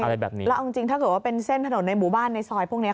และจริงที่ว่าแส่งถนนในหมู่บ้านในซอยพวกเนี้ย